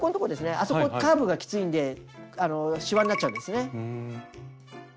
あそこカーブがきついんでしわになっちゃうんですね。